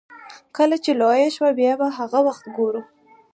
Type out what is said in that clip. کله چې لويه شوه بيا به هغه وخت ګورو.